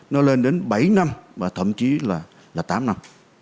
nó lên đến bảy năm và thậm chí là tám năm